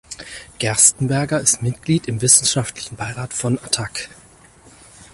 Gerstenberger ist Mitglied im wissenschaftlichen Beirat von Attac.